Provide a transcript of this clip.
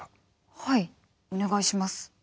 はいお願いします。